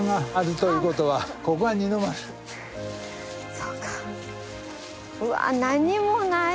そうか。